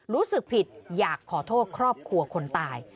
รู้สึกผิดอยากขอโทษครอบครัวคนตาย